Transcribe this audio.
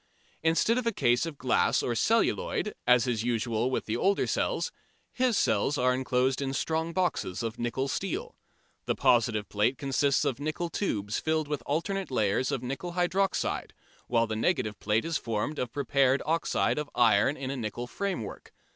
Instead of a case of glass or celluloid, as is usual with the older cells, his cells are enclosed in strong boxes of nickel steel. The positive plate consists of nickel tubes filled with alternate layers of nickel hydroxide, while the negative plate is formed of prepared oxide of iron in a nickel framework.